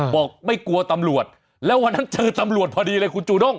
บอกไม่กลัวตำรวจแล้ววันนั้นเจอตำรวจพอดีเลยคุณจูด้ง